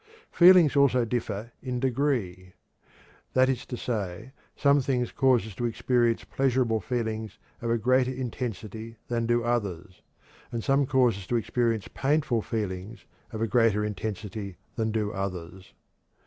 Feelings also differ in degree; that is to say, some things cause us to experience pleasurable feelings of a greater intensity than do others, and some cause us to experience painful feelings of a greater intensity than do others.